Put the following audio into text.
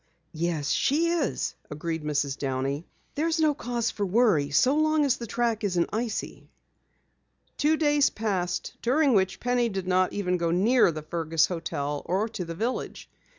"Yes, she is," agreed Mrs. Downey. "There's no cause for worry so long as the track isn't icy." Two days passed during which Penny did not even go near the Fergus hotel or to the village.